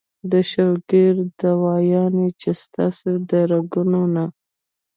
د شوګر دوايانې چې ستاسو د رګونو نه